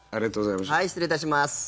失礼いたします。